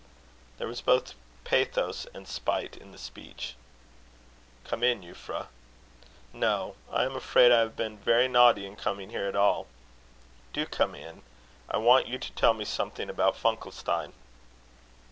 There was both pathos and spite in the speech. "Come in, Euphra." "No. I am afraid I have been very naughty in coming here at all." "Do come in. I want you to tell me something about Funkelstein."